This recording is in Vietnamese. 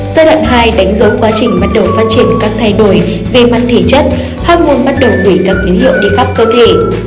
giai đoạn hai đánh dấu quá trình bắt đầu phát triển các thay đổi về mặt thể chất hóc môn bắt đầu hủy các tín hiệu đi khắp cơ thể